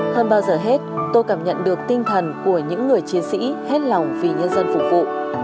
hơn bao giờ hết tôi cảm nhận được tinh thần của những người chiến sĩ hết lòng vì nhân dân phục vụ